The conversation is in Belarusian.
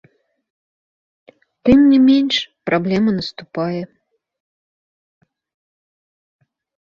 Тым не менш праблема наступае.